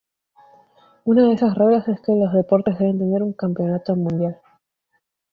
Una de esas reglas es que los deportes deben tener un campeonato mundial.